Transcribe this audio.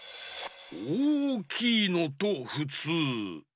おおきいのとふつう。